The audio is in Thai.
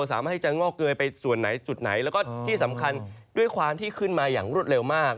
สามารถให้จะงอกเกยไปส่วนไหนจุดไหนแล้วก็ที่สำคัญด้วยความที่ขึ้นมาอย่างรวดเร็วมาก